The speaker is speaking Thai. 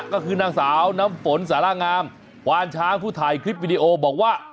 ก็คือนางสาวน้ำฝนสารางามควานช้างผู้ถ่ายคลิปวิดีโอบอกว่า